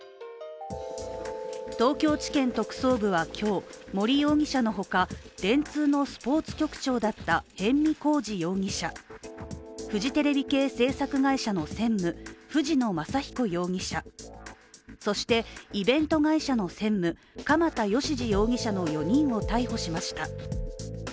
東京地検特捜部は今日、森容疑者のほか電通のスポーツ局長だった逸見晃治容疑者、フジテレビ系制作会社の専務藤野昌彦容疑者、そして、イベント会社の専務、鎌田義次容疑者の４人を逮捕しました。